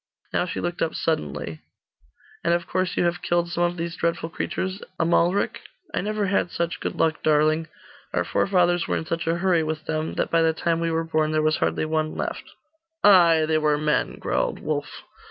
Now she looked up suddenly 'And of course you have killed some of these dreadful creatures, Amalric?' 'I never had such good luck, darling. Our forefathers were in such a hurry with them, that by the time we were born, there was hardly one left.' 'Ay, they were men,' growled Wulf.